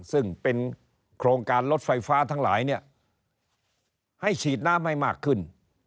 ซึ่งเป็นโครงการรถไฟฟ้าทั้งหลายเนี่ยให้ฉีดน้ำให้มากขึ้น